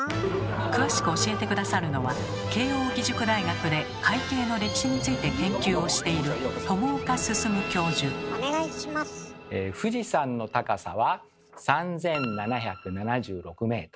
詳しく教えて下さるのは慶應義塾大学で会計の歴史について研究をしている富士山の高さは３，７７６ｍ。